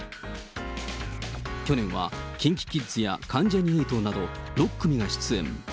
去年はＫｉｎＫｉＫｉｄｓや関ジャニ∞など、６組が出演。